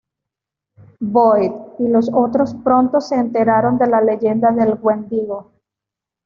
Boyd y los otros pronto se enteraron de la leyenda del wendigo.